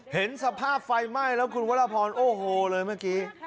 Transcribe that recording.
เห็นสภาพไฟไหม้แล้วคุณวรพรโอ้โหเลยเมื่อกี้